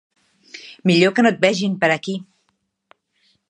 Millor que no et vegin per aquí.